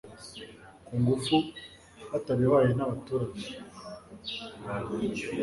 ku ngufu batabihawe n'abaturage